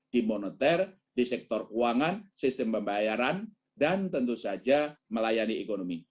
di moneter di sektor keuangan sistem pembayaran dan tentu saja melayani ekonomi